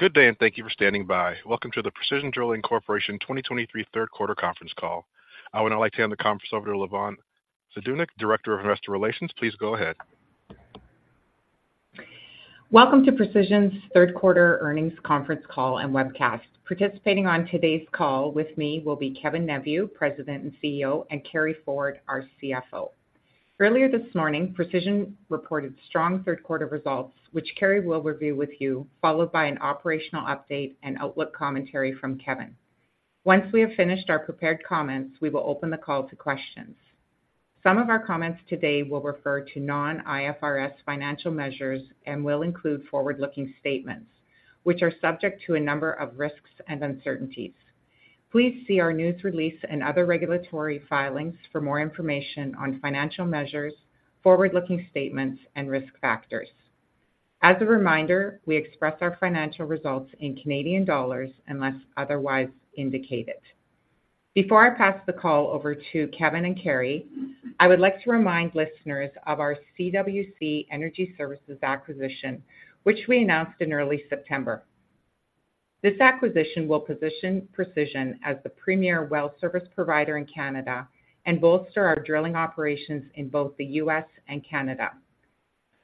Good day, and thank you for standing by. Welcome to the Precision Drilling Corporation 2023 third quarter conference call. I would now like to hand the conference over to Lavonne Zdunich, Director of Investor Relations. Please go ahead. Welcome to Precision's third quarter earnings conference call and webcast. Participating on today's call with me will be Kevin Neveu, President and CEO, and Carey Ford, our CFO. Earlier this morning, Precision reported strong third quarter results, which Carey will review with you, followed by an operational update and outlook commentary from Kevin. Once we have finished our prepared comments, we will open the call to questions. Some of our comments today will refer to non-IFRS financial measures and will include forward-looking statements, which are subject to a number of risks and uncertainties. Please see our news release and other regulatory filings for more information on financial measures, forward-looking statements, and risk factors. As a reminder, we express our financial results in Canadian dollars unless otherwise indicated. Before I pass the call over to Kevin and Carey, I would like to remind listeners of our CWC Energy Services acquisition, which we announced in early September. This acquisition will position Precision as the premier well service provider in Canada and bolster our drilling operations in both the U.S. and Canada.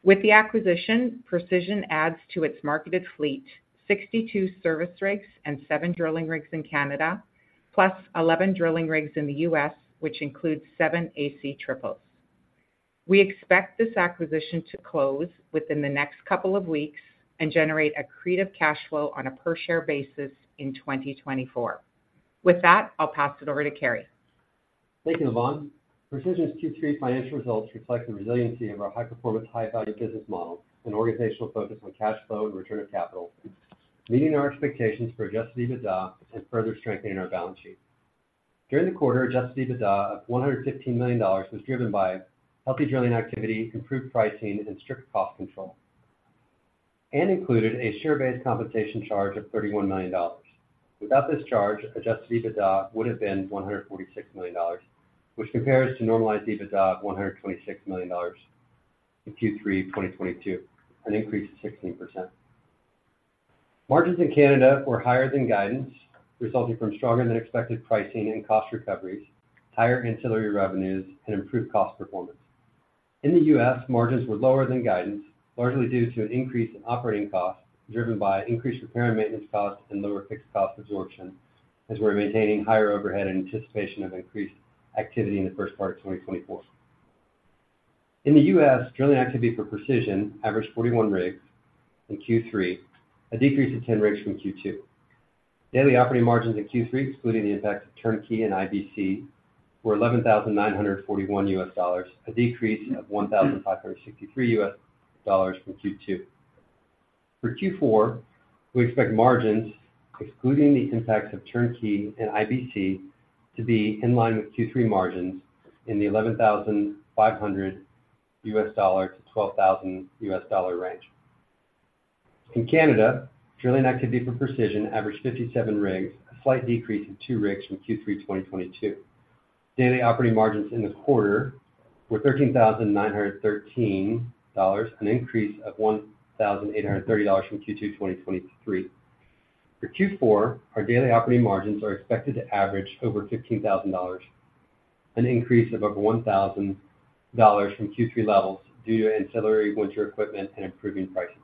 With the acquisition, Precision adds to its marketed fleet, 62 service rigs and seven drilling rigs in Canada, plus 11 drilling rigs in the U.S., which includes seven AC Triples. We expect this acquisition to close within the next couple of weeks and generate accretive cash flow on a per-share basis in 2024. With that, I'll pass it over to Carey. Thank you, Lavonne. Precision's Q3 financial results reflect the resiliency of our high-performance, high-value business model and organizational focus on cash flow and return of capital, meeting our expectations for Adjusted EBITDA and further strengthening our balance sheet. During the quarter, Adjusted EBITDA of 115 million dollars was driven by healthy drilling activity, improved pricing, and strict cost control, and included a share-based compensation charge of 31 million dollars. Without this charge, Adjusted EBITDA would have been 146 million dollars, which compares to normalized EBITDA of 126 million dollars in Q3 2022, an increase of 16%. Margins in Canada were higher than guidance, resulting from stronger than expected pricing and cost recoveries, higher ancillary revenues, and improved cost performance. In the U.S., margins were lower than guidance, largely due to an increase in operating costs, driven by increased repair and maintenance costs and lower fixed cost absorption, as we're maintaining higher overhead in anticipation of increased activity in the first part of 2024. In the U.S., drilling activity for Precision averaged 41 rigs in Q3, a decrease of 10 rigs from Q2. Daily operating margins in Q3, excluding the effects of turnkey and IBC, were $11,941, a decrease of $1,563 from Q2. For Q4, we expect margins, excluding the impacts of turnkey and IBC, to be in line with Q3 margins in the $11,500-$12,000 range. In Canada, drilling activity for Precision averaged 57 rigs, a slight decrease of two rigs from Q3 2022. Daily operating margins in the quarter were $13,913, an increase of $1,830 from Q2 2023. For Q4, our daily operating margins are expected to average over $15,000, an increase of over $1,000 from Q3 levels due to ancillary winter equipment and improving pricing.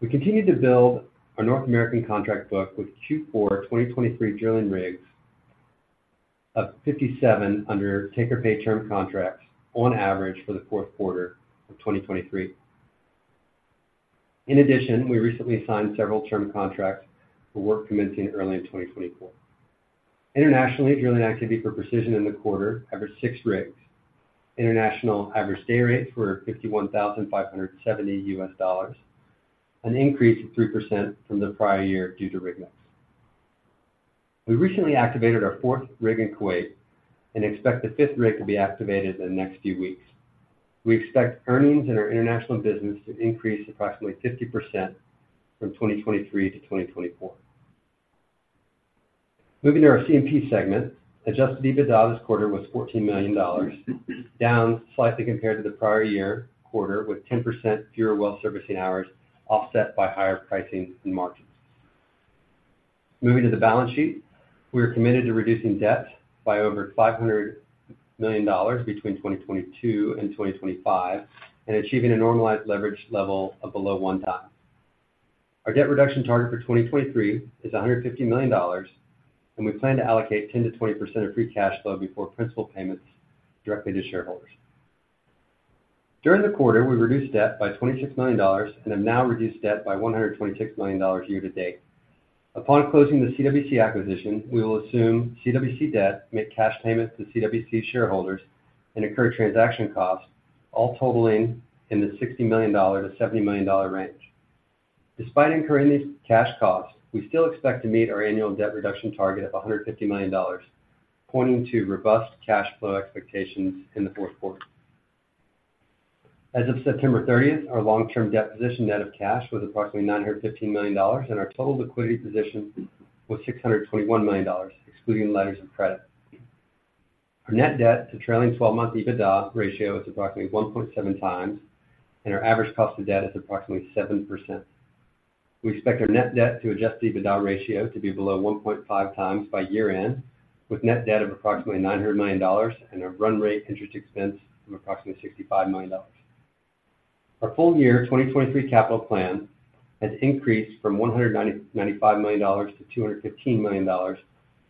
We continue to build our North American contract book with Q4 2023 drilling rigs of 57 under take-or-pay term contracts on average for the fourth quarter of 2023. In addition, we recently signed several term contracts for work commencing early in 2024. Internationally, drilling activity for Precision in the quarter averaged six rigs. International average day rates were $51,570, an increase of 3% from the prior year due to rig mix. We recently activated our fourth rig in Kuwait and expect the fifth rig to be activated in the next few weeks. We expect earnings in our international business to increase approximately 50% from 2023 to 2024. Moving to our C&P segment, Adjusted EBITDA this quarter was $14 million, down slightly compared to the prior year quarter, with 10% fewer well servicing hours, offset by higher pricing and margins. Moving to the balance sheet. We are committed to reducing debt by over $500 million between 2022 and 2025 and achieving a normalized leverage level of below 1x. Our debt reduction target for 2023 is $150 million, and we plan to allocate 10%-20% of free cash flow before principal payments directly to shareholders. During the quarter, we reduced debt by 26 million dollars and have now reduced debt by 126 million dollars year-to-date. Upon closing the CWC acquisition, we will assume CWC debt, make cash payments to CWC shareholders, and incur transaction costs, all totaling in the 60 million-70 million dollar range. Despite incurring these cash costs, we still expect to meet our annual debt reduction target of 150 million dollars, pointing to robust cash flow expectations in the fourth quarter. As of September thirtieth, our long-term debt position, net of cash, was approximately 915 million dollars, and our total liquidity position was 621 million dollars, excluding letters of credit. Our net debt to trailing 12-month EBITDA ratio is approximately 1.7x, and our average cost of debt is approximately 7%. We expect our net debt to Adjusted EBITDA ratio to be below 1.5x by year-end, with net debt of approximately 900 million dollars and a run rate interest expense of approximately 65 million dollars. Our full year 2023 capital plan has increased from 195 million-215 million dollars,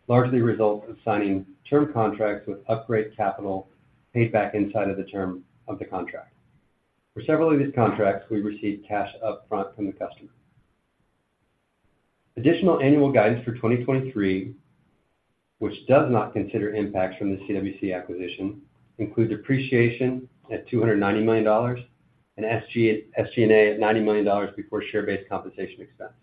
largely a result of signing term contracts with upgrade capital paid back inside of the term of the contract. For several of these contracts, we received cash upfront from the customer. Additional annual guidance for 2023, which does not consider impacts from the CWC acquisition, includes depreciation at 290 million dollars and SG&A at 90 million dollars before share-based compensation expense.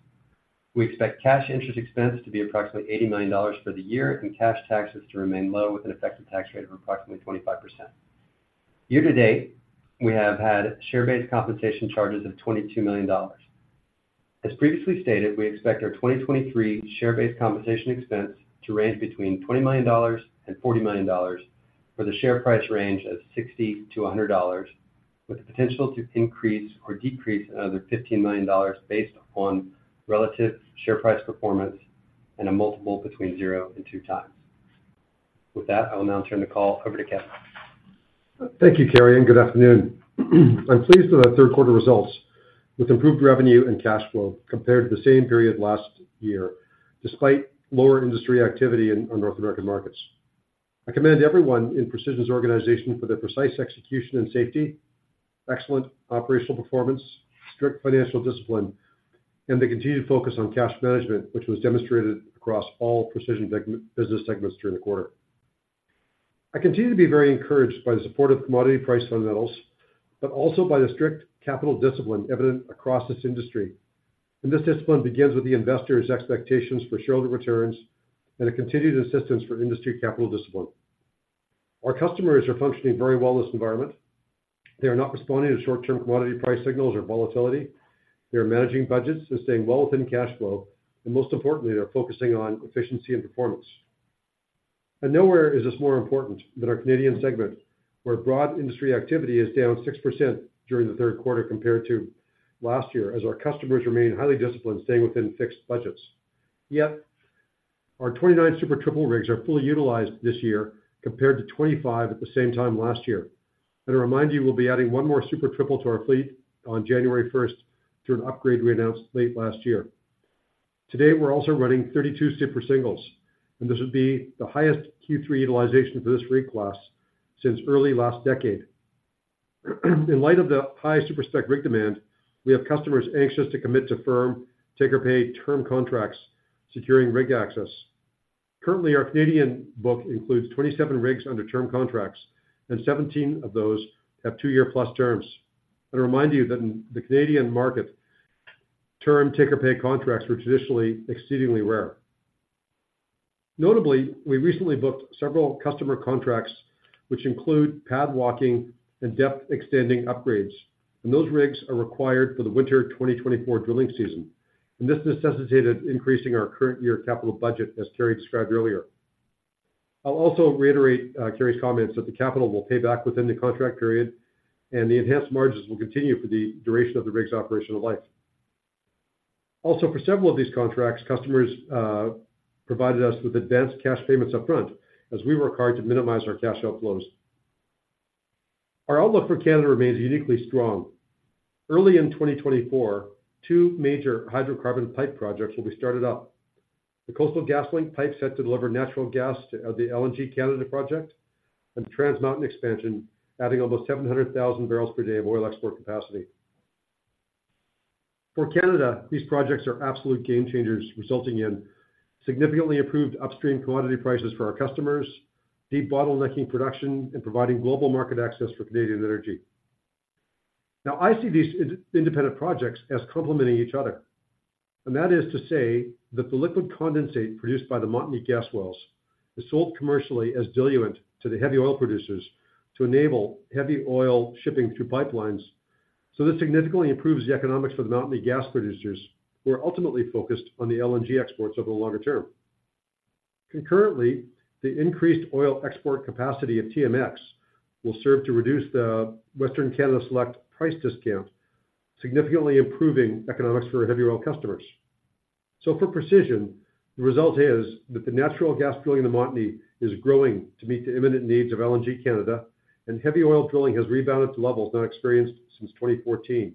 We expect cash interest expense to be approximately $80 million for the year and cash taxes to remain low, with an effective tax rate of approximately 25%. Year-to-date, we have had share-based compensation charges of $22 million. As previously stated, we expect our 2023 share-based compensation expense to range between $20 million and $40 million for the share price range of $60-$100, with the potential to increase or decrease another $15 million based upon relative share price performance and a multiple between zero and 2x. With that, I will now turn the call over to Kevin. Thank you, Carey, and good afternoon. I'm pleased with our third quarter results, with improved revenue and cash flow compared to the same period last year, despite lower industry activity in North American markets. I commend everyone in Precision's organization for their precise execution and safety, excellent operational performance, strict financial discipline, and the continued focus on cash management, which was demonstrated across all Precision business segments during the quarter. I continue to be very encouraged by the supportive commodity price fundamentals, also by the strict capital discipline evident across this industry. This discipline begins with the investors' expectations for shareholder returns and a continued assistance for industry capital discipline. Our customers are functioning very well in this environment. They are not responding to short-term commodity price signals or volatility. They are managing budgets and staying well within cash flow, and most importantly, they're focusing on efficiency and performance. Nowhere is this more important than our Canadian segment, where broad industry activity is down 6% during the third quarter compared to last year, as our customers remain highly disciplined, staying within fixed budgets. Yet, our 29 Super Triple rigs are fully utilized this year compared to 25 at the same time last year. To remind you, we'll be adding one more Super Triple to our fleet on January first through an upgrade we announced late last year. Today, we're also running 32 Super Singles, and this would be the highest Q3 utilization for this rig class since early last decade. In light of the high super spec rig demand, we have customers anxious to commit to firm take-or-pay term contracts, securing rig access. Currently, our Canadian book includes 27 rigs under term contracts, and 17 of those have two-year-plus terms. I remind you that in the Canadian market, term take-or-pay contracts were traditionally exceedingly rare. Notably, we recently booked several customer contracts, which include pad walking and depth extending upgrades, and those rigs are required for the winter 2024 drilling season. This necessitated increasing our current year capital budget, as Carey described earlier. I'll also reiterate Carey's comments that the capital will pay back within the contract period, and the enhanced margins will continue for the duration of the rig's operational life. Also, for several of these contracts, customers provided us with advanced cash payments upfront as we work hard to minimize our cash outflows. Our outlook for Canada remains uniquely strong. Early in 2024, two major hydrocarbon pipe projects will be started up. The Coastal GasLink pipe set to deliver natural gas to the LNG Canada project and the Trans Mountain expansion, adding almost 700,000 bbl per day of oil export capacity. For Canada, these projects are absolute game changers, resulting in significantly improved upstream commodity prices for our customers, de-bottlenecking production, and providing global market access for Canadian energy. I see these independent projects as complementing each other, and that is to say that the liquid condensate produced by the Montney gas wells is sold commercially as diluent to the heavy oil producers to enable heavy oil shipping through pipelines. This significantly improves the economics for the Montney gas producers, who are ultimately focused on the LNG exports over the longer term. Concurrently, the increased oil export capacity of TMX will serve to reduce the Western Canadian Select price discount, significantly improving economics for our heavy oil customers. For Precision, the result is that the natural gas drilling in the Montney is growing to meet the imminent needs of LNG Canada, and heavy oil drilling has rebounded to levels not experienced since 2014.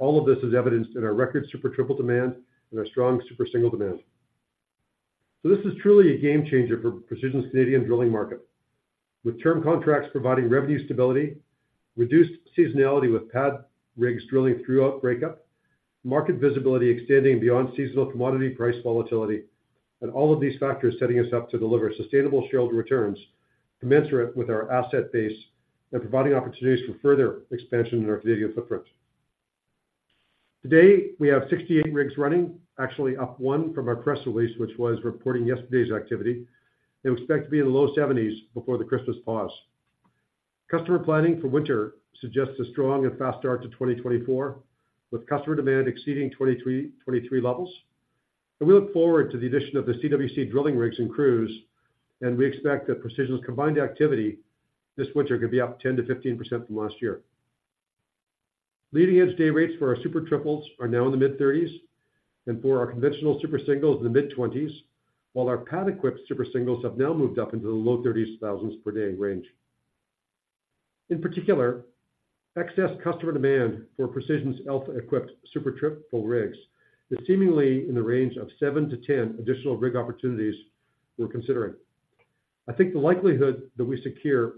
All of this is evidenced in our record Super Triple demand and our strong Super Single demand. This is truly a game changer for Precision's Canadian drilling market, with term contracts providing revenue stability, reduced seasonality with pad rigs drilling throughout breakup, market visibility extending beyond seasonal commodity price volatility, and all of these factors setting us up to deliver sustainable shareholder returns commensurate with our asset base and providing opportunities for further expansion in our Canadian footprint. Today, we have 68 rigs running, actually up one from our press release, which was reporting yesterday's activity, and we expect to be in the low 70s before the Christmas pause. Customer planning for winter suggests a strong and fast start to 2024, with customer demand exceeding 2023 levels. We look forward to the addition of the CWC drilling rigs and crews, and we expect that Precision's combined activity this winter could be up 10%-15% from last year. Leading edge day rates for our Super Triples are now in the mid $30,000s, and for our conventional Super Singles in the mid $20,000s, while our pad-equipped Super Singles have now moved up into the low $30,000s per day range. In particular, excess customer demand for Precision's Alpha-equipped Super Triple rigs is seemingly in the range of seven-10 additional rig opportunities we're considering. I think the likelihood that we secure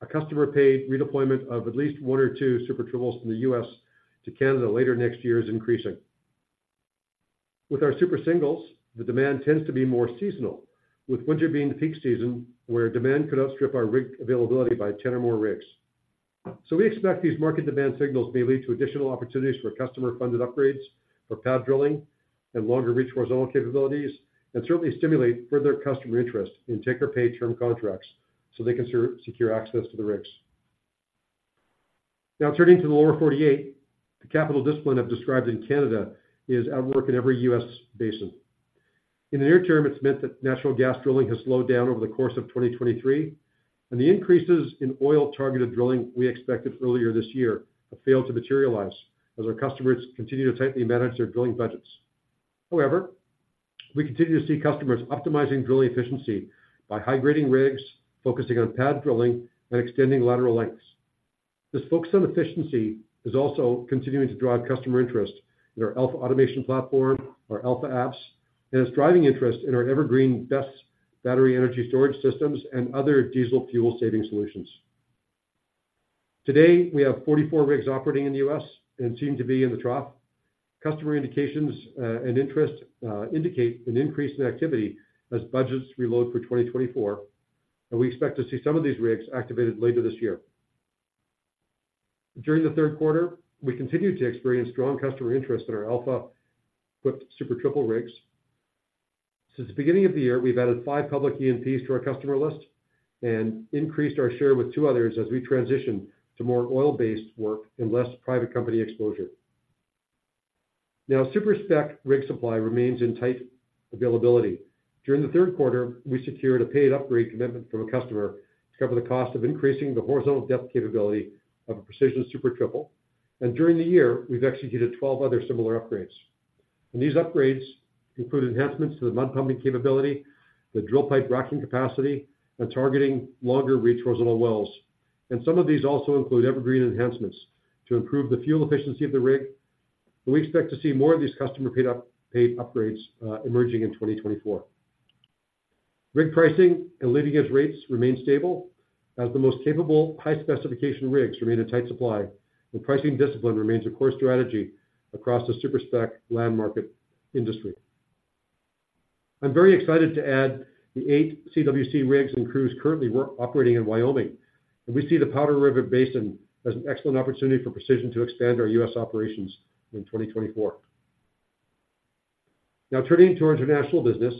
a customer-paid redeployment of at least one or two Super Triples from the U.S. to Canada later next year is increasing. With our Super Singles, the demand tends to be more seasonal, with winter being the peak season, where demand could outstrip our rig availability by 10 or more rigs. So we expect these market demand signals may lead to additional opportunities for customer-funded upgrades, for pad drilling, and longer reach horizontal capabilities, and certainly stimulate further customer interest in take-or-pay term contracts so they can secure access to the rigs. Now, turning to the Lower 48, the capital discipline I've described in Canada is at work in every U.S. basin. In the near term, it's meant that natural gas drilling has slowed down over the course of 2023, and the increases in oil-targeted drilling we expected earlier this year have failed to materialize as our customers continue to tightly manage their drilling budgets. However, we continue to see customers optimizing drilling efficiency by high-grading rigs, focusing on pad drilling, and extending lateral lengths. This focus on efficiency is also continuing to drive customer interest in our AlphaAutomation platform, our AlphaApps, and is driving interest in our EverGreen BESS Battery Energy Storage Systems and other diesel fuel saving solutions. Today, we have 44 rigs operating in the U.S. and seem to be in the trough. Customer indications and interest indicate an increase in activity as budgets reload for 2024, and we expect to see some of these rigs activated later this year. During the third quarter, we continued to experience strong customer interest in our Alpha-equipped Super Triple rigs. Since the beginning of the year, we've added five public E&Ps to our customer list and increased our share with two others as we transition to more oil-based work and less private company exposure. Now, Super Spec rig supply remains in tight availability. During the third quarter, we secured a paid upgrade commitment from a customer to cover the cost of increasing the horizontal depth capability of a Precision Super Triple. During the year, we've executed 12 other similar upgrades. These upgrades include enhancements to the mud pumping capability, the drill pipe racking capacity, and targeting longer reach horizontal wells. Some of these also include EverGreen enhancements to improve the fuel efficiency of the rig, and we expect to see more of these customer-paid upgrades emerging in 2024. Rig pricing and leading edge rates remain stable as the most capable high-specification rigs remain in tight supply, and pricing discipline remains a core strategy across the super spec land market industry. I'm very excited to add the eight CWC rigs and crews currently operating in Wyoming, and we see the Powder River Basin as an excellent opportunity for Precision to expand our U.S. operations in 2024. Now, turning to our international business.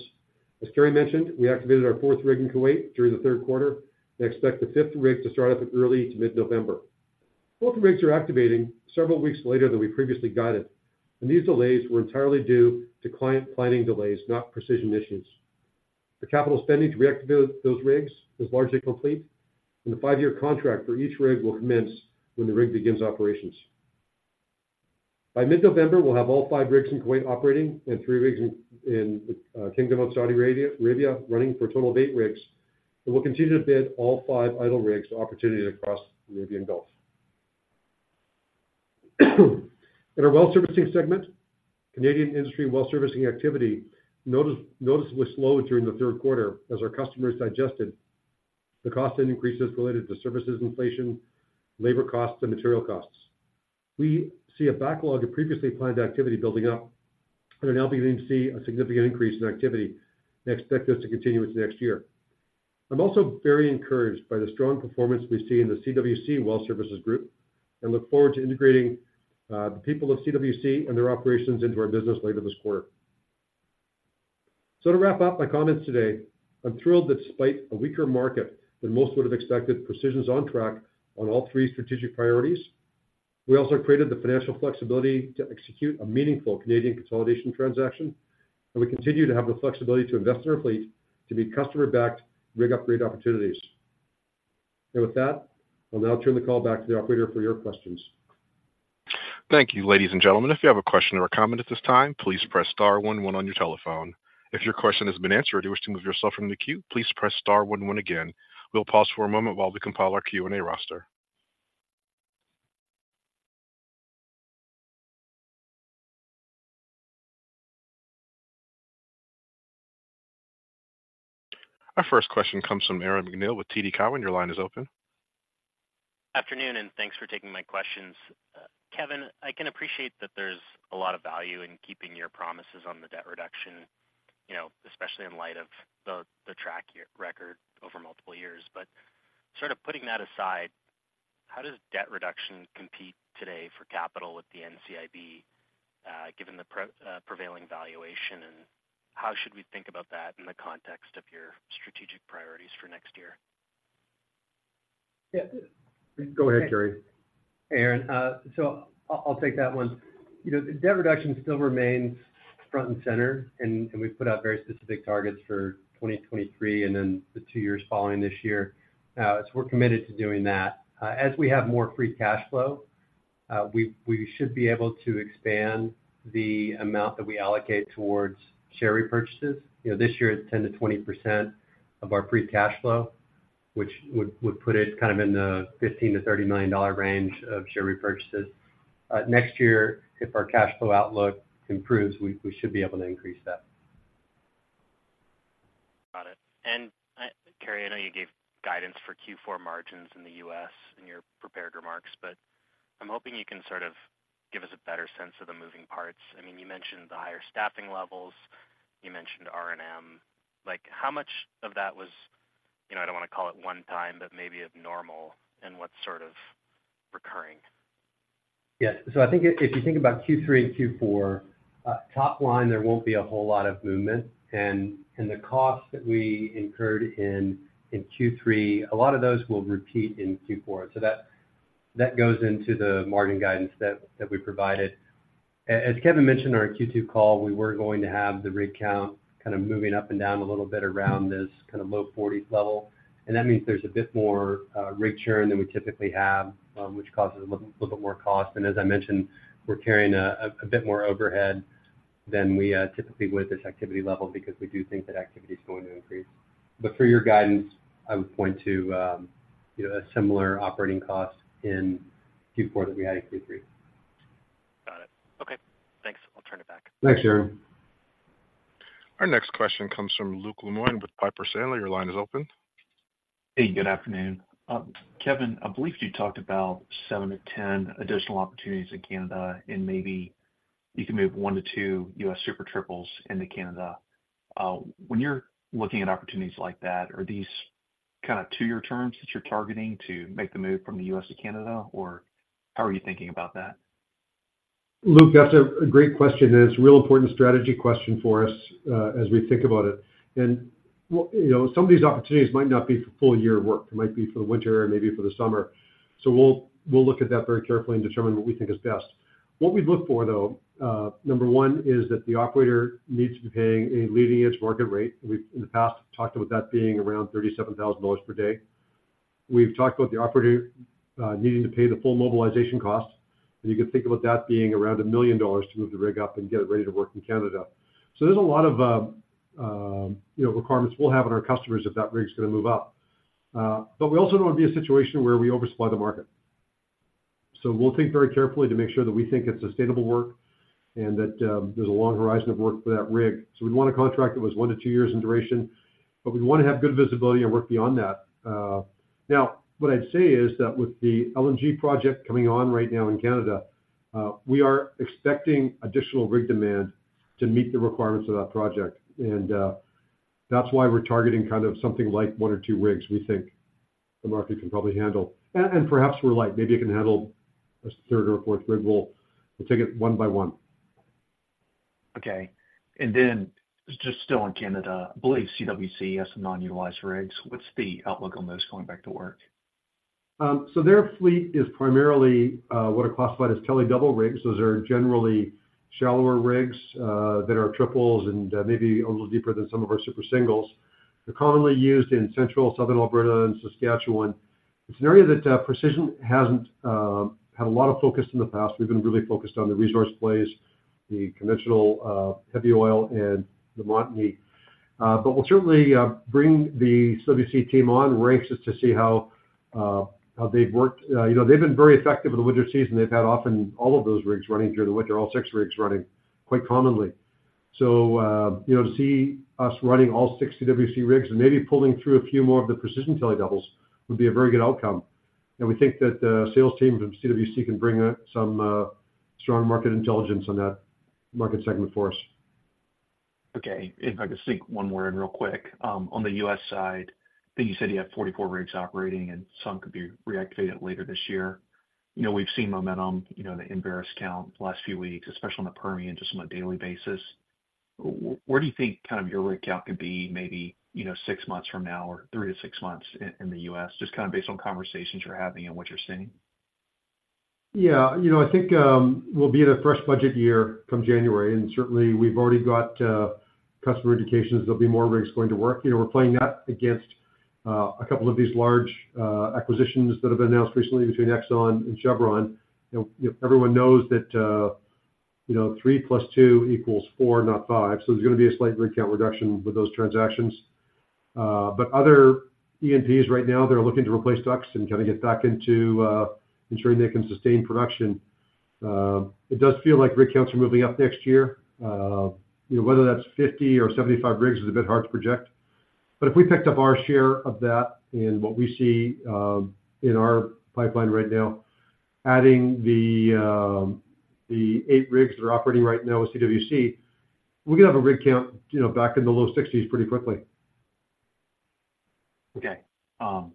As Carey mentioned, we activated our fourth rig in Kuwait during the third quarter and expect the fifth rig to start up in early to mid-November. Both rigs are activating several weeks later than we previously guided, and these delays were entirely due to client planning delays, not Precision issues. The capital spending to reactivate those rigs is largely complete, and the five-year contract for each rig will commence when the rig begins operations. By mid-November, we'll have all five rigs in Kuwait operating and three rigs in Kingdom of Saudi Arabia running for a total of eight rigs, and we'll continue to bid all five idle rigs to opportunities across the Arabian Gulf. In our well servicing segment, Canadian industry well servicing activity noticeably slowed during the third quarter as our customers digested the cost and increases related to services inflation, labor costs, and material costs. We see a backlog of previously planned activity building up and are now beginning to see a significant increase in activity and expect this to continue into next year. I'm also very encouraged by the strong performance we see in the CWC Well Services group and look forward to integrating the people of CWC and their operations into our business later this quarter. So to wrap up my comments today, I'm thrilled that despite a weaker market than most would have expected, Precision's on track on all three strategic priorities. We also created the financial flexibility to execute a meaningful Canadian consolidation transaction, and we continue to have the flexibility to invest in our fleet to meet customer-backed rig upgrade opportunities. And with that, I'll now turn the call back to the operator for your questions. Thank you, ladies and gentlemen. If you have a question or a comment at this time, please press star one one on your telephone. If your question has been answered, or you wish to move yourself from the queue, please press star one one again. We'll pause for a moment while we compile our Q&A roster. Our first question comes from Aaron MacNeil with TD Cowen. Your line is open. Afternoon, and thanks for taking my questions. Kevin, I can appreciate that there's a lot of value in keeping your promises on the debt reduction, you know, especially in light of the track record over multiple years. But sort of putting that aside, how does debt reduction compete today for capital with the NCIB, given the prevailing valuation? And how should we think about that in the context of your strategic priorities for next year? Yeah. Go ahead, Carey. Hey, Aaron. I'll take that one. You know, the debt reduction still remains front and center, and we've put out very specific targets for 2023, and then the two years following this year. We're committed to doing that. As we have more free cash flow, we should be able to expand the amount that we allocate towards share repurchases. You know, this year, it's 10%-20% of our free cash flow, which would put it kind of in the $15 million-$30 million range of share repurchases. Next year, if our cash flow outlook improves, we should be able to increase that. Got it. And, Carey, I know you gave guidance for Q4 margins in the U.S. in your prepared remarks, but I'm hoping you can sort of give us a better sense of the moving parts. I mean, you mentioned the higher staffing levels. You mentioned R&M. Like, how much of that was, you know, I don't wanna call it 1x, but maybe abnormal, and what's sort of recurring? Yes. So I think if you think about Q3 and Q4, top line, there won't be a whole lot of movement. And the costs that we incurred in Q3, a lot of those will repeat in Q4. So that goes into the margin guidance that we provided. As Kevin mentioned on our Q2 call, we were going to have the rig count kind of moving up and down a little bit around this kind of low 40s level. And that means there's a bit more rig churn than we typically have, which causes a little bit more cost. And as I mentioned, we're carrying a bit more overhead than we typically would at this activity level because we do think that activity is going to increase. But for your guidance, I would point to, you know, a similar operating cost in Q4 that we had in Q3. Got it. Okay, thanks. I'll turn it back. Thanks, Aaron. Our next question comes from Luke Lemoine with Piper Sandler. Your line is open. Hey, good afternoon. Kevin, I believe you talked about seven-10 additional opportunities in Canada, and maybe you can move one-two U.S. Super Triples into Canada. When you're looking at opportunities like that, are these kind of two-year terms that you're targeting to make the move from the U.S. to Canada, or how are you thinking about that? Luke, that's a great question, and it's a real important strategy question for us, as we think about it. Well, you know, some of these opportunities might not be for full year work. It might be for the winter or maybe for the summer. We'll look at that very carefully and determine what we think is best. What we'd look for, though, number one, is that the operator needs to be paying a leading-edge market rate. We've, in the past, talked about that being around $37,000 per day. We've talked about the operator needing to pay the full mobilization costs, and you can think about that being around 1 million dollars to move the rig up and get it ready to work in Canada. So there's a lot of, you know, requirements we'll have on our customers if that rig's gonna move up. But we also don't want to be a situation where we oversupply the market. So we'll think very carefully to make sure that we think it's sustainable work and that there's a long horizon of work for that rig. So we'd want a contract that was one-two years in duration, but we'd want to have good visibility and work beyond that. Now, what I'd say is that with the LNG project coming on right now in Canada, we are expecting additional rig demand to meet the requirements of that project. And that's why we're targeting kind of something like one or two rigs we think the market can probably handle. Perhaps we're like, maybe it can handle a third or a fourth rig. We'll take it one by one. Okay. And then just still on Canada, I believe CWC has some non-utilized rigs. What's the outlook on those going back to work? So their fleet is primarily what are classified as Telescopic Double rigs. Those are generally shallower rigs that are triples and maybe a little deeper than some of our Super Singles. They're commonly used in central southern Alberta and Saskatchewan. It's an area that Precision hasn't had a lot of focus in the past. We've been really focused on the resource plays, the conventional heavy oil and the Montney. But we'll certainly bring the CWC team on and rely on them to see how they've worked. You know, they've been very effective in the winter season. They've had often all of those rigs running through the winter, all six rigs running quite commonly. So, you know, to see us running all six CWC rigs and maybe pulling through a few more of the Precision Telescopic Doubles would be a very good outcome. And we think that the sales team from CWC can bring some strong market intelligence on that market segment for us. Okay. If I could sneak one more in real quick. On the U.S. side, I think you said you have 44 rigs operating, and some could be reactivated later this year. You know, we've seen momentum, you know, in Baker's count the last few weeks, especially on the Permian, just on a daily basis. Where do you think kind of your rig count could be, maybe, you know, six months from now or three to six months in, in the U.S., just kind of based on conversations you're having and what you're seeing? Yeah, you know, I think we'll be in a fresh budget year come January, and certainly, we've already got customer indications there'll be more rigs going to work. You know, we're playing that against a couple of these large acquisitions that have been announced recently between Exxon and Chevron. You know, everyone knows that, you know, 3 + 2 = 4, not five. So there's gonna be a slight rig count reduction with those transactions. But other E&Ps right now, they're looking to replace DUCs and kind of get back into ensuring they can sustain production. It does feel like rig counts are moving up next year. You know, whether that's 50 or 75 rigs is a bit hard to project. But if we picked up our share of that in what we see in our pipeline right now, adding the eight rigs that are operating right now with CWC, we could have a rig count, you know, back in the low 60s pretty quickly.... Okay,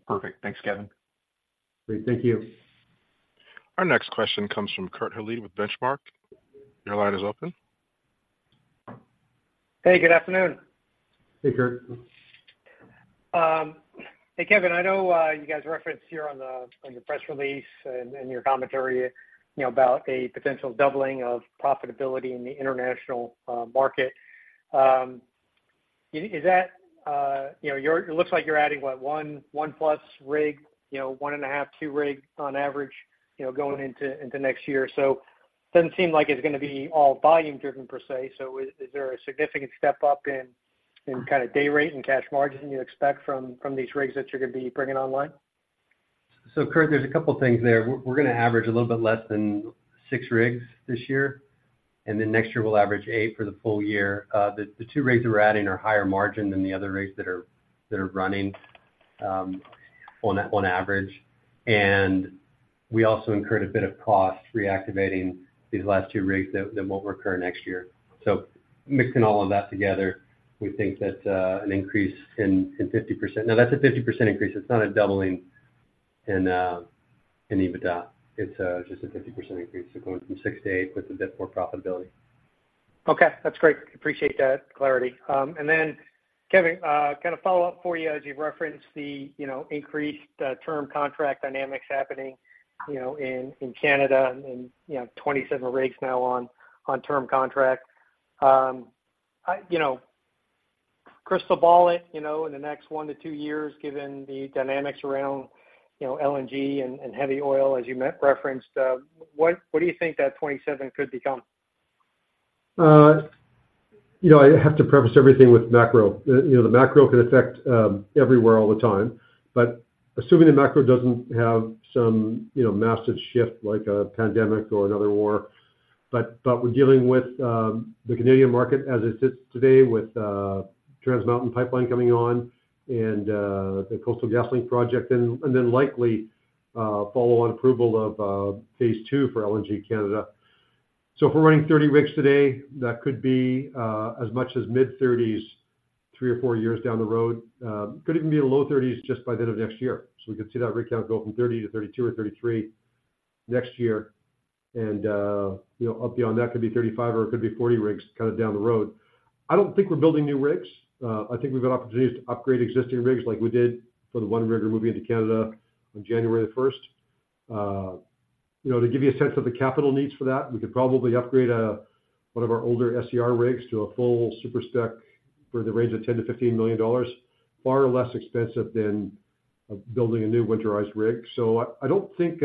perfect. Thanks, Kevin. Great. Thank you. Our next question comes from Kurt Hallead with Benchmark. Your line is open. Hey, good afternoon. Hey, Kurt. Hey, Kevin, I know you guys referenced here on the, on your press release and, and your commentary, you know, about a potential doubling of profitability in the international market. Is that, you know, it looks like you're adding, what? one, 1+ rig, you know, 1.5, two rigs on average, you know, going into, into next year. So doesn't seem like it's gonna be all volume driven, per se. So is there a significant step up in, in kind of day rate and cash margin you expect from, from these rigs that you're gonna be bringing online? So Kurt, there's a couple things there. We're gonna average a little bit less than six rigs this year, and then next year we'll average eight for the full year. The two rigs that we're adding are higher margin than the other rigs that are running on average. And we also incurred a bit of cost reactivating these last two rigs that won't recur next year. So mixing all of that together, we think that an increase in 50%... Now, that's a 50% increase, it's not a doubling in EBITDA. It's just a 50% increase. So going from six to eight with a bit more profitability. Okay, that's great. Appreciate that clarity. And then Kevin, kind of follow up for you, as you've referenced the, you know, increased, term contract dynamics happening, you know, in, in Canada, and, you know, 27 rigs now on, on term contract. You know, crystal ball it, you know, in the next one to two years, given the dynamics around, you know, LNG and, and heavy oil, as you referenced, what, what do you think that 27 could become? You know, I have to preface everything with macro. You know, the macro can affect everywhere all the time. But assuming the macro doesn't have some, you know, massive shift, like a pandemic or another war, but we're dealing with the Canadian market as it sits today with Trans Mountain Pipeline coming on and the Coastal GasLink project and then likely follow on approval of phase two for LNG Canada. So if we're running 30 rigs today, that could be as much as mid-30s, three or four years down the road. Could even be a low 30s just by the end of next year. So we could see that rig count go from 30 to 32 or 33 next year. You know, beyond that could be 35 or it could be 40 rigs kind of down the road. I don't think we're building new rigs. I think we've got opportunities to upgrade existing rigs like we did for the one rig we're moving into Canada on January 1st. You know, to give you a sense of the capital needs for that, we could probably upgrade one of our older SCR rigs to a full super spec for the range of 10 million-15 million dollars, far less expensive than building a new winterized rig. So I don't think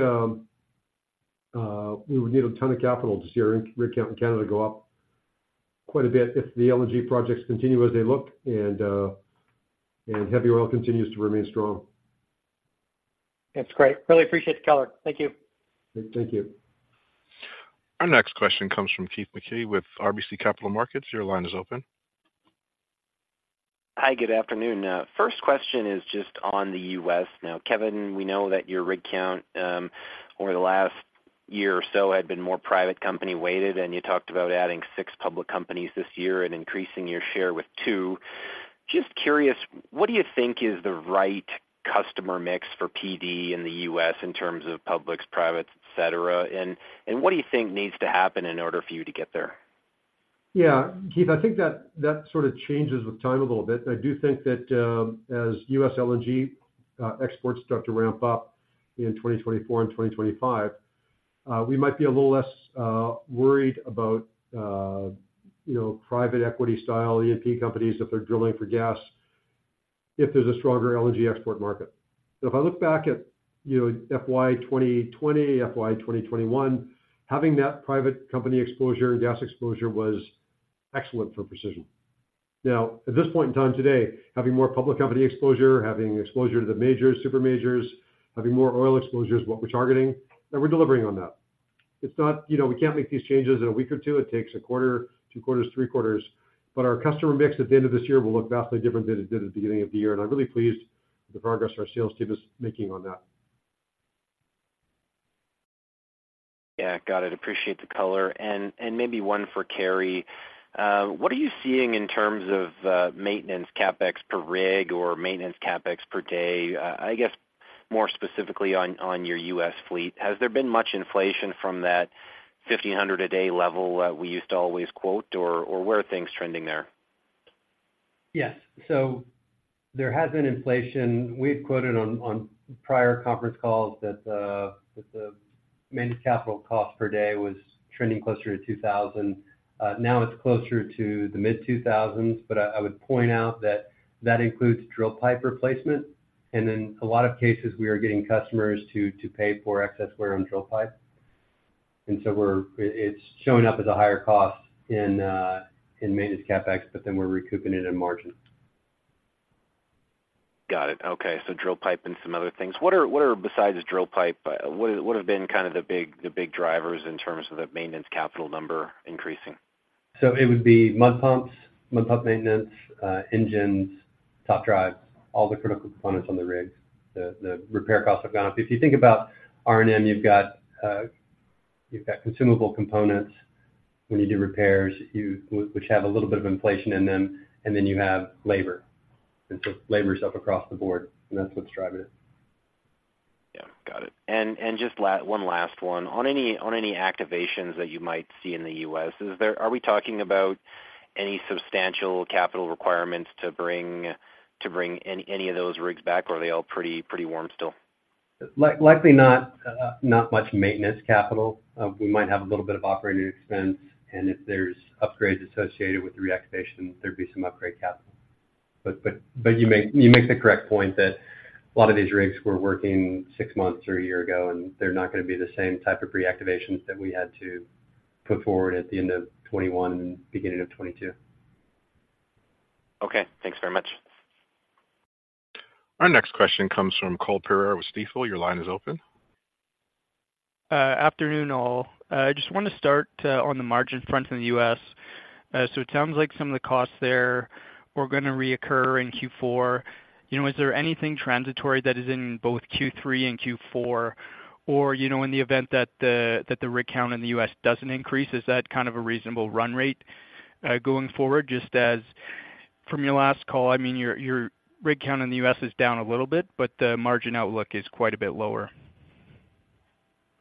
we would need a ton of capital to see our rig count in Canada go up quite a bit if the LNG projects continue as they look and heavy oil continues to remain strong. That's great. Really appreciate the color. Thank you. Thank you. Our next question comes from Keith MacKey with RBC Capital Markets. Your line is open. Hi, good afternoon. First question is just on the U.S. Now, Kevin, we know that your rig count over the last year or so had been more private company weighted, and you talked about adding six public companies this year and increasing your share with two. Just curious, what do you think is the right customer mix for PD in the U.S. in terms of publics, privates, et cetera? And, and what do you think needs to happen in order for you to get there? Yeah, Keith, I think that, that sort of changes with time a little bit. I do think that, as U.S. LNG exports start to ramp up in 2024 and 2025, we might be a little less worried about, you know, private equity style E&P companies if they're drilling for gas, if there's a stronger LNG export market. So if I look back at, you know, FY 2020, FY 2021, having that private company exposure and gas exposure was excellent for Precision. Now, at this point in time today, having more public company exposure, having exposure to the majors, super majors, having more oil exposure is what we're targeting, and we're delivering on that. It's not, you know, we can't make these changes in a week or two. It takes a quarter, two quarters, three quarters, but our customer mix at the end of this year will look vastly different than it did at the beginning of the year, and I'm really pleased with the progress our sales team is making on that. Yeah. Got it. Appreciate the color. Maybe one for Carey. What are you seeing in terms of maintenance CapEx per rig, or maintenance CapEx per day? I guess more specifically on your U.S. fleet. Has there been much inflation from that $1,500 a day level we used to always quote, or where are things trending there? Yes. There has been inflation. We had quoted on prior conference calls that the maintenance capital cost per day was trending closer to $2,000. Now it's closer to the mid-$2,000s, but I would point out that includes drill pipe replacement, and in a lot of cases, we are getting customers to pay for excess wear on drill pipe. It's showing up as a higher cost in maintenance CapEx, but then we're recouping it in margin. Got it. Okay. So drill pipe and some other things. What are, besides drill pipe, what have been kind of the big drivers in terms of the maintenance capital number increasing? So it would be mud pumps, mud pump maintenance, engines, top drives, all the critical components on the rigs, the repair costs have gone up. If you think about R&M, you've got you've got consumable components when you do repairs, you, which have a little bit of inflation in them, and then you have labor. And so labor's up across the board, and that's what's driving it. Yeah, got it. And just one last one. On any activations that you might see in the U.S., are we talking about any substantial capital requirements to bring any of those rigs back, or are they all pretty warm still? Likely not, not much maintenance capital. We might have a little bit of operating expense, and if there's upgrades associated with the reactivation, there'd be some upgrade capital. But you make the correct point that a lot of these rigs were working six months or a year ago, and they're not gonna be the same type of reactivations that we had to put forward at the end of 2021 and beginning of 2022. Okay, thanks very much. Our next question comes from Cole Pereira with Stifel. Your line is open. Afternoon, all. I just want to start on the margin front in the U.S. So it sounds like some of the costs there were gonna reoccur in Q4. You know, is there anything transitory that is in both Q3 and Q4? Or, you know, in the event that the rig count in the U.S. doesn't increase, is that kind of a reasonable run rate going forward? Just as from your last call, I mean, your rig count in the U.S. is down a little bit, but the margin outlook is quite a bit lower.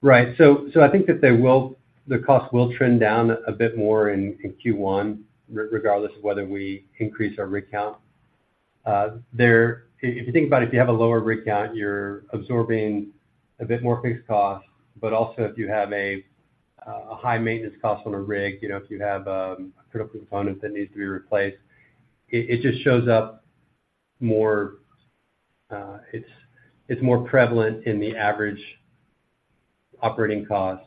Right. I think that the cost will trend down a bit more in Q1, regardless of whether we increase our rig count. If you think about it, if you have a lower rig count, you're absorbing a bit more fixed costs, but also if you have a high maintenance cost on a rig, you know, if you have critical components that need to be replaced, it just shows up more. It's more prevalent in the average operating cost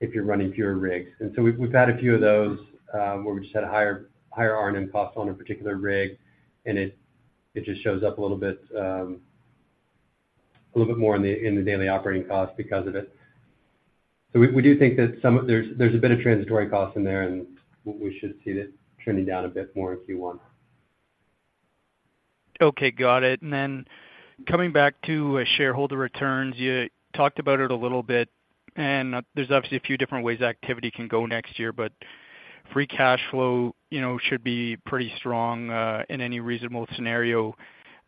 if you're running fewer rigs. We've had a few of those where we just had a higher R&M cost on a particular rig, and it just shows up a little bit more in the daily operating cost because of it. So we do think that some of... there's a bit of transitory cost in there, and we should see it trending down a bit more in Q1. Okay, got it. And then coming back to shareholder returns, you talked about it a little bit, and there's obviously a few different ways activity can go next year, but free cash flow, you know, should be pretty strong in any reasonable scenario.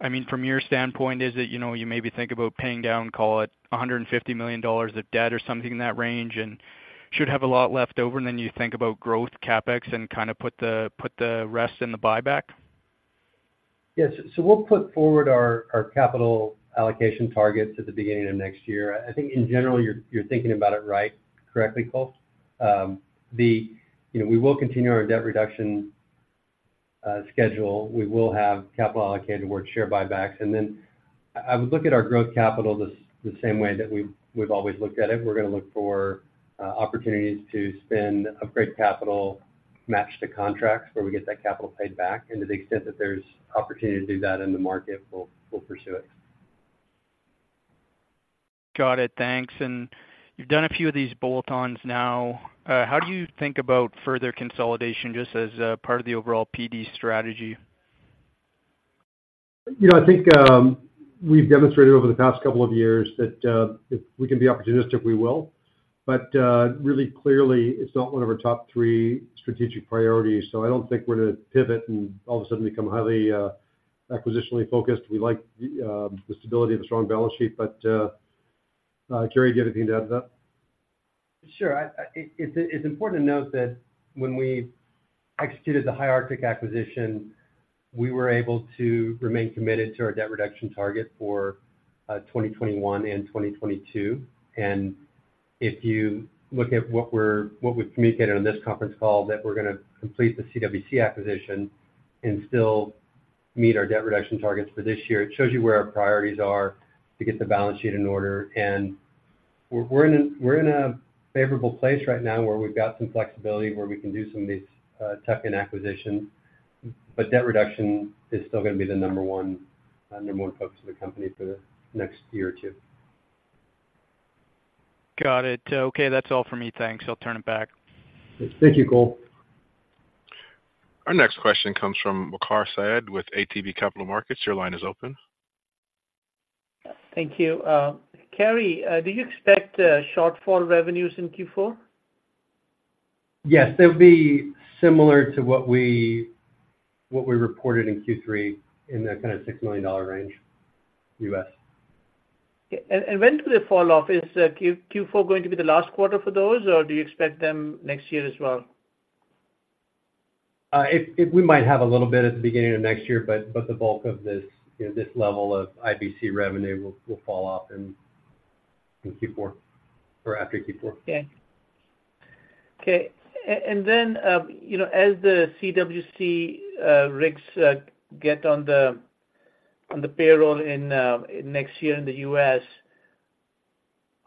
I mean, from your standpoint, is it, you know, you maybe think about paying down, call it, 150 million dollars of debt or something in that range, and should have a lot left over, and then you think about growth CapEx, and kind of put the rest in the buyback? Yes. So we'll put forward our capital allocation targets at the beginning of next year. I think in general, you're thinking about it right, correctly, Cole. You know, we will continue our debt reduction schedule. We will have capital allocated towards share buybacks. And then I would look at our growth capital the same way that we've always looked at it. We're gonna look for opportunities to spend, upgrade capital, match the contracts where we get that capital paid back, and to the extent that there's opportunity to do that in the market, we'll pursue it. Got it. Thanks. You've done a few of these bolt-ons now. How do you think about further consolidation just as part of the overall PD strategy? You know, I think, we've demonstrated over the past couple of years that, if we can be opportunistic, we will. But, really clearly, it's not one of our top three strategic priorities, so I don't think we're gonna pivot and all of a sudden become highly, acquisitionally focused. We like the, the stability of the strong balance sheet. But, Carey, do you have anything to add to that? Sure. I... It's important to note that when we executed the High Arctic acquisition, we were able to remain committed to our debt reduction target for 2021 and 2022. And if you look at what we've communicated on this conference call, that we're gonna complete the CWC acquisition and still meet our debt reduction targets for this year, it shows you where our priorities are to get the balance sheet in order. And we're in a favorable place right now where we've got some flexibility where we can do some of these tuck-in acquisitions, but debt reduction is still gonna be the number one number one focus of the company for the next year or two. Got it. Okay, that's all for me. Thanks. I'll turn it back. Thank you, Cole. Our next question comes from Waqar Syed with ATB Capital Markets. Your line is open. Thank you. Carey, do you expect shortfall revenues in Q4? Yes. They'll be similar to what we, what we reported in Q3, in that kind of $6 million range, U.S.. Okay. And when do they fall off? Is Q4 going to be the last quarter for those, or do you expect them next year as well? We might have a little bit at the beginning of next year, but the bulk of this, you know, this level of IBC revenue will fall off in Q4 or after Q4. Okay. Okay. And then, you know, as the CWC rigs get on the, on the payroll in next year in the U.S.,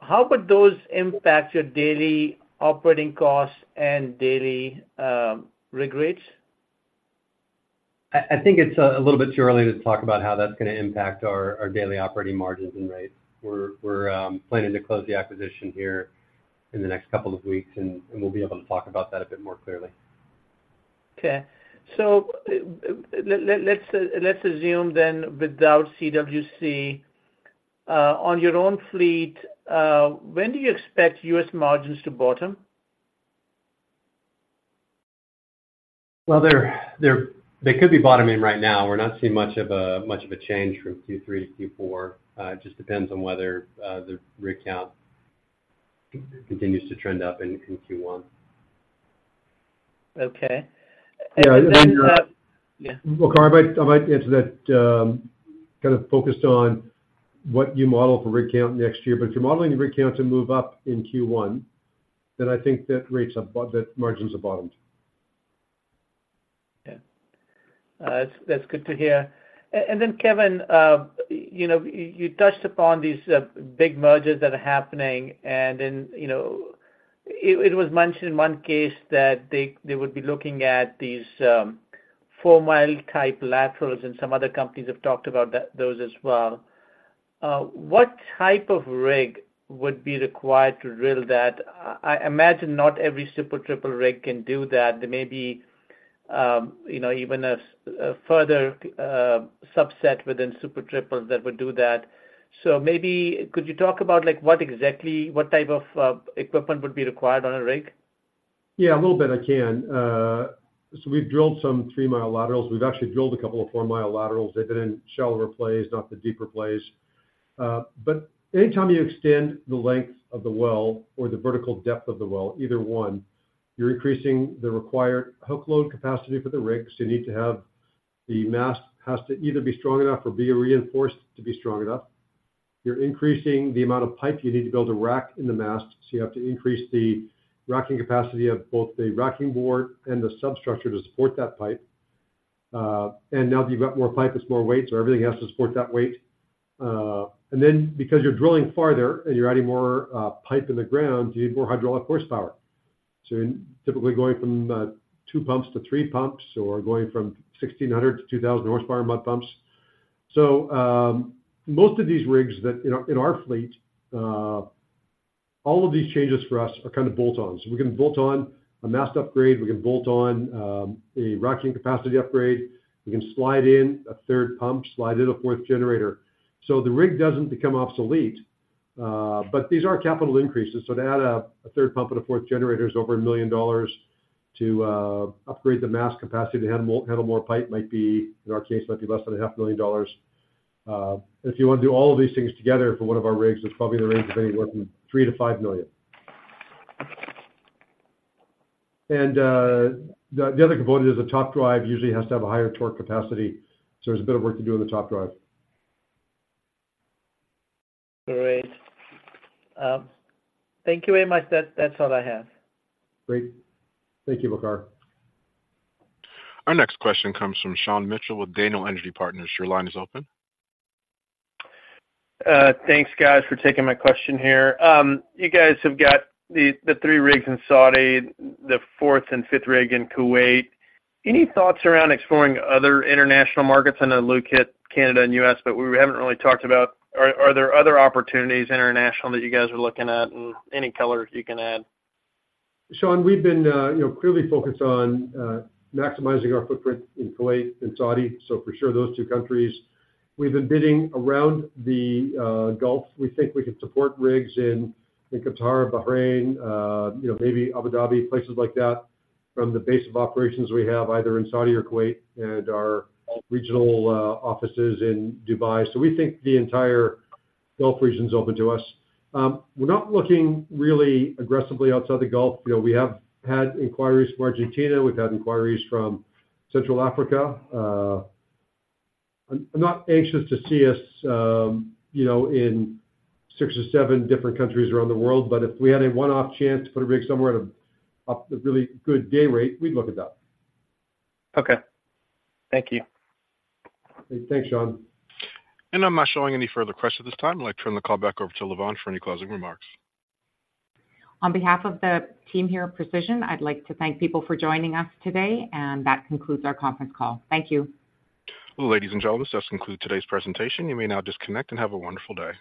how would those impact your daily operating costs and daily rig rates? I think it's a little bit too early to talk about how that's gonna impact our daily operating margins and rates. We're planning to close the acquisition here in the next couple of weeks, and we'll be able to talk about that a bit more clearly.... Okay, so, let's assume then without CWC, on your own fleet, when do you expect U.S. margins to bottom? Well, they're- they could be bottoming right now. We're not seeing much of a change from Q3-Q4. It just depends on whether the rig count continues to trend up in Q1. Okay. Yeah, and- Yeah. Well, Waqar, I might, I might answer that, kind of focused on what you model for rig count next year. But if you're modeling your rig count to move up in Q1, then I think that rates have that margins have bottomed. Yeah. That's good to hear. And then, Kevin, you know, you touched upon these big mergers that are happening, and then, you know, it was mentioned in one case that they would be looking at these 4 mi type laterals, and some other companies have talked about that, those as well. What type of rig would be required to drill that? I imagine not every Super Triple rig can do that. There may be, you know, even a further subset within Super Triples that would do that. So maybe could you talk about, like, what exactly, what type of equipment would be required on a rig? Yeah, a little bit I can. So we've drilled some 3 mi laterals. We've actually drilled a couple of 4 mi laterals. They've been in shallower plays, not the deeper plays. But anytime you extend the length of the well or the vertical depth of the well, either one, you're increasing the required hook load capacity for the rig, so you need to have the mast has to either be strong enough or be reinforced to be strong enough. You're increasing the amount of pipe you need to build a rack in the mast, so you have to increase the racking capacity of both the racking board and the substructure to support that pipe. And now that you've got more pipe, it's more weight, so everything has to support that weight. Because you're drilling farther and you're adding more, you know, pipe in the ground, you need more hydraulic horsepower. You're typically going from two pumps to three pumps, or going from 1,600-2,000 horsepower mud pumps. Most of these rigs that, you know, in our fleet, all of these changes for us are kind of bolt-ons. We can bolt on a mast upgrade, we can bolt on a racking capacity upgrade, we can slide in a third pump, slide in a fourth generator. The rig doesn't become obsolete, but these are capital increases, so to add a third pump and a fourth generator is over $1 million. To upgrade the mast capacity to handle more, handle more pipe might be, in our case, might be less than $500,000. If you want to do all of these things together for one of our rigs, it's probably the rig is gonna be looking 3 million-5 million. The other component is the top drive usually has to have a higher torque capacity, so there's a bit of work to do on the top drive. Great. Thank you very much. That, that's all I have. Great. Thank you, Waqar. Our next question comes from Sean Mitchell with Daniel Energy Partners. Your line is open. Thanks, guys, for taking my question here. You guys have got the three rigs in Saudi, the fourth and fifth rig in Kuwait. Any thoughts around exploring other international markets? I know Luke hit Canada and U.S., but we haven't really talked about, are there other opportunities international that you guys are looking at, and any color you can add? Sean, we've been, you know, clearly focused on maximizing our footprint in Kuwait and Saudi, so for sure, those two countries. We've been bidding around the Gulf. We think we can support rigs in Qatar, Bahrain, you know, maybe Abu Dhabi, places like that, from the base of operations we have, either in Saudi or Kuwait, and our regional offices in Dubai. We think the entire Gulf region is open to us. We're not looking really aggressively outside the Gulf. You know, we have had inquiries from Argentina, we've had inquiries from Central Africa. I'm not anxious to see us, you know, in six or seven different countries around the world, but if we had a one-off chance to put a rig somewhere at a really good day rate, we'd look at that. Okay. Thank you. Thanks, Sean. I'm not showing any further questions at this time. I'd like to turn the call back over to Lavonne for any closing remarks. On behalf of the team here at Precision, I'd like to thank people for joining us today, and that concludes our conference call. Thank you. Ladies and gentlemen, this does conclude today's presentation. You may now disconnect and have a wonderful day.